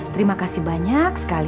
terima kasih banyak sekali